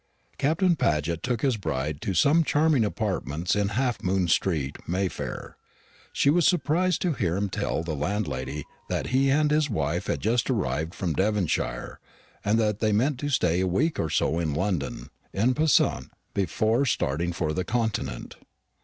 Captain Paget took his bride to some charming apartments in Halfmoon street, Mayfair; and she was surprised to hear him tell the landlady that he and his wife had just arrived from Devonshire, and that they meant to stay a week or so in London, en passant, before starting for the Continent.